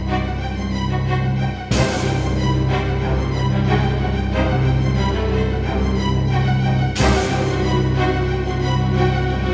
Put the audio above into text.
pak pak pejalan pak pak pejalan pak pejalan pak pejalan